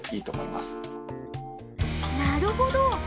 なるほど！